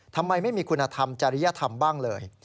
ทำไมไม่มีคุณธรรมจริยธรรมบ้างเลย